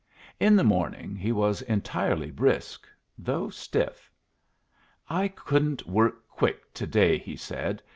In the morning he was entirely brisk, though stiff. "I couldn't work quick to day," he said.